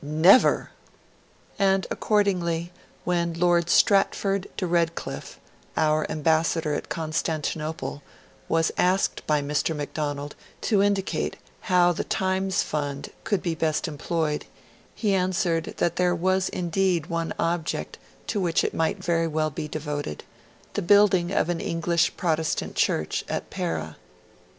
Never! And accordingly when Lord Stratford de Redcliffe, our ambassador at Constantinople, was asked by Mr. Macdonald to indicate how The Times Fund could best be employed, he answered that there was indeed one object to which it might very well be devoted the building of an English Protestant Church at Pera.